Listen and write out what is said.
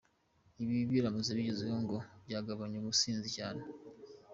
Ibi biramutse bigezweho, ngo byagabanya ubusinzi cyane.